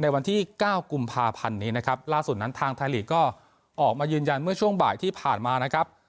ในวันที่๙กุมภาพันธ์นี้นะครับล่าสุดนั้นทางไทยลีกก็ออกมายืนยันเมื่อช่วงบ่ายที่ผ่านมานะครับ